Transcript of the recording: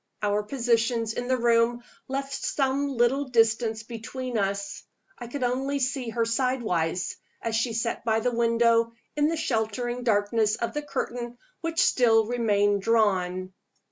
Our positions in the room left some little distance between us. I could only see her sidewise, as she sat by the window in the sheltering darkness of the curtain which still remained drawn.